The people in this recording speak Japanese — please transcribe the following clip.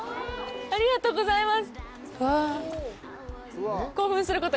ありがとうございます。